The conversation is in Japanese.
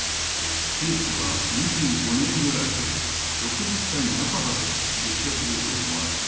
刑期は２５年ぐらいで、６０歳半ばで出所すると思われる。